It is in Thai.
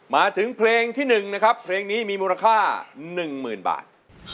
มาถึงเพลงที่๑นะครับเพลงนี้มีมูลค่า๑๐๐๐บาท